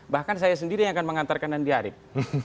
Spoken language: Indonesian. bahkan saya sendiri yang akan mengantarkan andi arief